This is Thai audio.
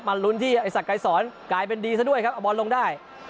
มันรุนที่ไอศักดิ์ไกรศรกลายเป็นดีซะด้วยครับเอาบอลลงได้